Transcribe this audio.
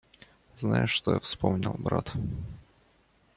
Знаешь, что я вспомнил, брат?